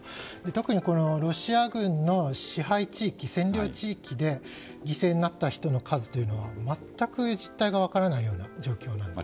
特にロシア軍の支配地域占領地域で犠牲になった人の数というのは全く実態が分からない状況です。